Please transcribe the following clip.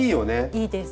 いいです。